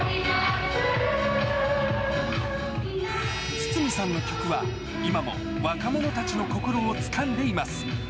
筒美さんの曲は、今も若者たちの心をつかんでいます。